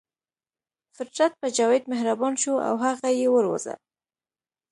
فطرت په جاوید مهربان شو او هغه یې وروزه